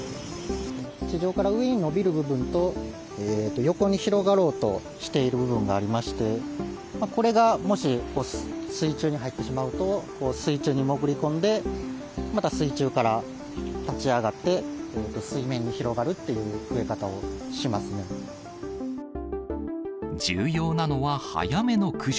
地上から上に伸びる部分と、横に広がろうとしている部分がありまして、これがもし水中に入ってしまうと、水中に潜り込んで、また水中から立ち上がって、水面に広がるっていう増え方をし重要なのは早めの駆除。